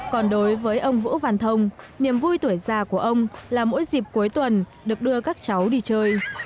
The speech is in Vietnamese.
còn đối với ông vũ văn thông niềm vui tuổi già của ông là mỗi dịp cuối tuần được đưa các cháu đi chơi